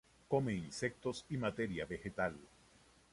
Come insectos y materia vegetal.